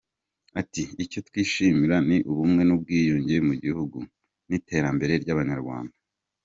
Ati “ icyo twishimira ni ubumwe n’ubwiyunge mu gihugu n’iterambere ry’abanyarwanda.